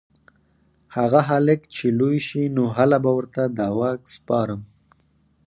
هغه هلک چې لوی شي نو هله به ورته دا واک سپارم